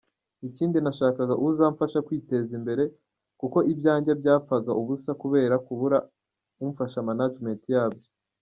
Ikindi nashakaga uzamfasha kwiteza imbere kuko ibyanjye byapfaga ubusa kubera kubura umfasha management yabyo.